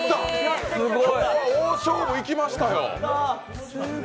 大勝負いきましたよ。